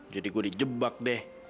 jadi gue dijebak deh